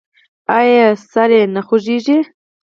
ایا سر یې نه خوږیږي؟